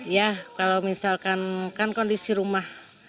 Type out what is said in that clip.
ya kalau misalkan kan kondisi rumah